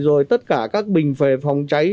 rồi tất cả các bình phề phòng cháy